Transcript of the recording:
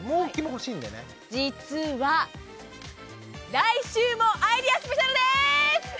実は来週もアイデアスペシャルです！